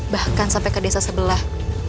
bahkan sampai ke desa sebelah